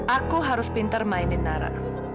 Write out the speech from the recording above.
aku harus pinter mainin nara